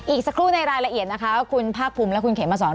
อีกสักครู่ในรายละเอียดนะคะคุณภาคภูมิและคุณเขมมาสอน